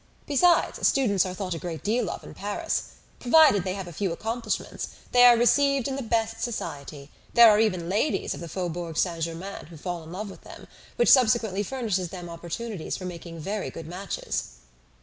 Besides, students are thought a great deal of in Paris. Provided they have a few accomplishments, they are received in the best society; there are even ladies of the Faubourg Saint Germain who fall in love with them, which subsequently furnishes them opportunities for making very good matches."